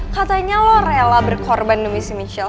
katanya lo rela berkorban demi si michelle